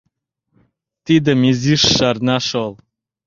Тидым изиш шарна шол;